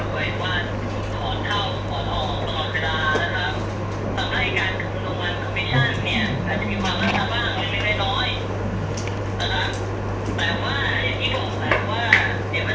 เรื่อยเพื่อไหนล่ะคะเราสมัครตั้งแต่๑๖ภูมิภาพจนไปไม่ได้สินค้าสักตัวหนึ่ง